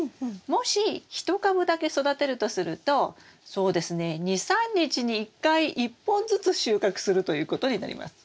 もし１株だけ育てるとするとそうですね２３日に１回１本ずつ収穫するということになります。